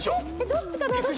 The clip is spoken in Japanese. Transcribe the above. どっちかな？